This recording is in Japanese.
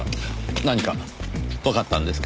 何かわかったんですか？